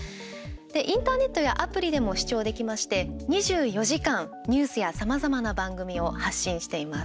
インターネットやアプリでも視聴できまして２４時間、ニュースやさまざまな番組を発信しています。